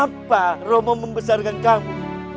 apa romo membesarkan kamu